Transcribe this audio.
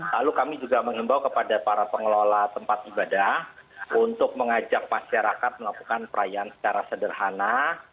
lalu kami juga mengimbau kepada para pengelola tempat ibadah untuk mengajak masyarakat melakukan perayaan secara sederhana